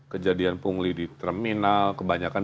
kejadian pungli di terminal kebanyakan